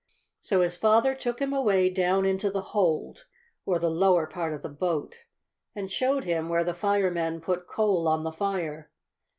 So his father took him away down into the hold, or lower part of the boat, and showed him where the firemen put coal on the fire.